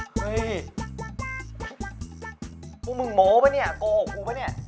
เฮ้ยพวกมึงโม้ปะเนี่ยโกหกกูปะเนี่ย